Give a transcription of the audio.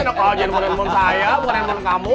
nek jangan ngurangin embon saya bukan embon kamu